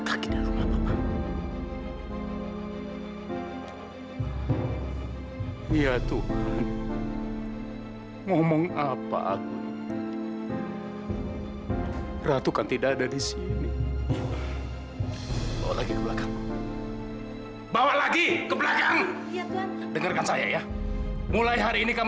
jadi lo jangan bicara kalau lo tuh nggak berguna